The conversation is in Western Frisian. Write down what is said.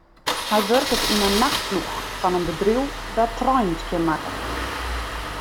Hy wurket yn 'e nachtploech fan in bedriuw dat treinen skjinmakket.